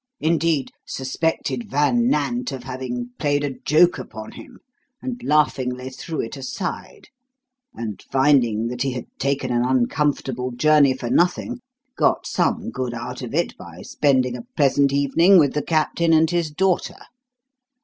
Indeed, suspected Van Nant of having played a joke upon him, and laughingly threw it aside; and, finding that he had taken an uncomfortable journey for nothing, got some good out of it by spending a pleasant evening with the Captain and his daughter.